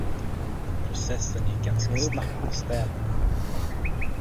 Processen gick ganska snabbt i städerna.